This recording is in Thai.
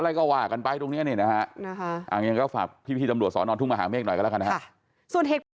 อย่างนี้ก็ฝากพี่ตำรวจสอนอนทุกมหาเมฆหน่อยก็แล้วกันนะครับ